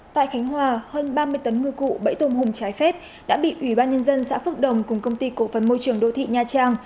tại khánh hòa hơn ba mươi tấn ngư cụ bẫy tôm hùm trái phép đã bị ủy ban nhân dân xã phước đồng cùng công ty cổ phần môi trường đô thị nha trang